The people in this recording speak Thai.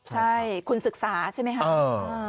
ใช่คุณศึกษาใช่ไหมครับ